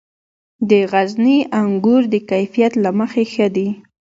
د غزني انګور د کیفیت له مخې ښه دي.